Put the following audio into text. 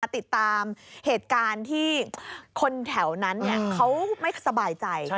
ติดตามเหตุการณ์ที่คนแถวนั้นเขาไม่สบายใจ